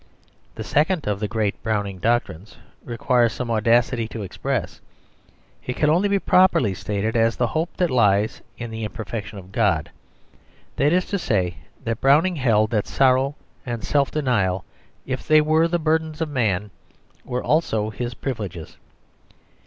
The second of the great Browning doctrines requires some audacity to express. It can only be properly stated as the hope that lies in the imperfection of God. That is to say, that Browning held that sorrow and self denial, if they were the burdens of man, were also his privileges.